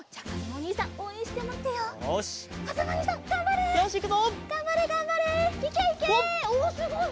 おおすごい！